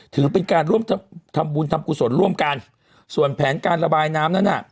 ถือเป็นการร่วมทำบุญทำกุศลร่วมกันส่วนแผนการระบายน้ำนั้นน่ะ